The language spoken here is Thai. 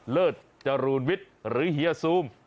เลิศจรูนวิทย์หรือเฮียซูม